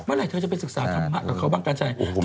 เมื่อไหร่เธอจะไปศึกษาธรรมะกับเขาบ้างกันใช่ไหม